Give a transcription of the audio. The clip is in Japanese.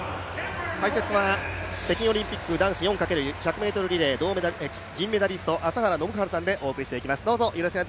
解説は北京オリンピック男子４ｘ１００ｍリレー銀メダリスト朝原宣治さんでお送りしていきます。